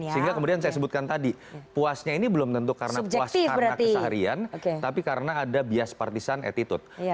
sehingga kemudian saya sebutkan tadi puasnya ini belum tentu karena puas karena keseharian tapi karena ada bias partisan attitude